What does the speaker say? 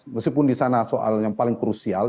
meskipun di sana soal yang paling krusial